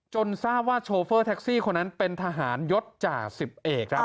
ทราบว่าโชเฟอร์แท็กซี่คนนั้นเป็นทหารยศจ่าสิบเอกครับ